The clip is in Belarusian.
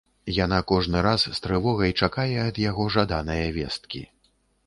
Яна кожны раз з трывогай чакае ад яго жаданае весткі.